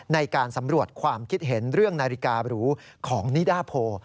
ในการสำรวจความคิดเห็นเรื่องนาฬิการูของนิดาโพ